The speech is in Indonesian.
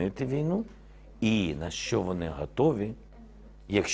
dan apa yang mereka siapkan jika kita tidak bisa